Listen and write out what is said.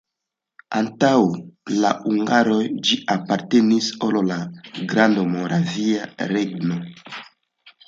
Antaŭ la hungaroj ĝi apartenis al la Grandmoravia Regno.